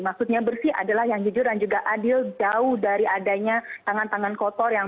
maksudnya bersih adalah yang jujur dan juga adil jauh dari adanya tangan tangan kotor yang